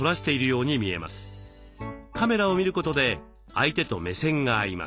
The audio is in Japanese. カメラを見ることで相手と目線が合います。